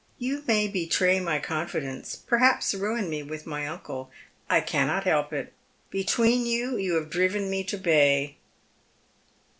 You may betray my confidence, perhaps ruin me with my uncle ; I cannot help it. Between you, you have driven me to bay."